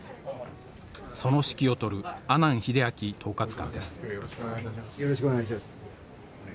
その指揮を執る阿南英明統括官です。